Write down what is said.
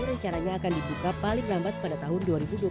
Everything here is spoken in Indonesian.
rencananya akan dibuka paling lambat pada tahun dua ribu dua puluh tiga